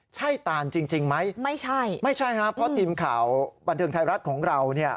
ใช่ตานจริงมั้ยไม่ใช่ค่ะเพราะฝยีมข่าวบันเทิงไทยรัฐของเราเนี่ย